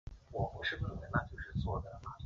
选项的结果可以透过选择后的音效来确认。